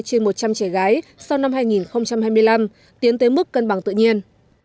trên một trăm linh trẻ gái sau năm hai nghìn hai mươi năm tiến tới mức cân bằng tự nhiên